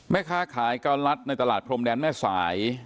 แม่คะขายกระล็าลัสในตลาดพรหมแดนแม่สาย